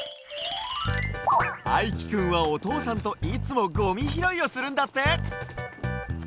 あいきくんはおとうさんといつもゴミひろいをするんだって。